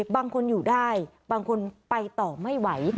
บางคนอยู่ได้บางคนไปต่อไม่ไหว